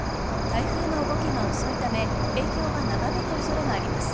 台風の動きが遅いため影響が長引く恐れがあります。